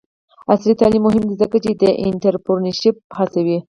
عصري تعلیم مهم دی ځکه چې د انټرپرینرشپ هڅوي.